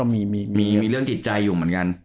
มีเรื่องจิตใจอยู่เหมือนกัน